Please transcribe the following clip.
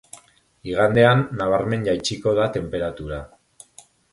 Igandean, nabarmen jaitsiko da tenperatura.